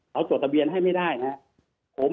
เขาจดทะเบียนให้ไม่ได้นะครับ